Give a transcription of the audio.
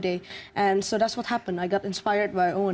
dan itulah yang terjadi saya terinspirasi oleh owen